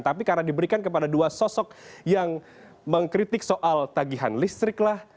tapi karena diberikan kepada dua sosok yang mengkritik soal tagihan listrik lah